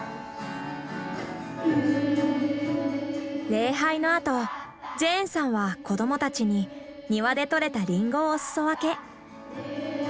礼拝のあとジェーンさんは子どもたちに庭で採れたリンゴをお裾分け。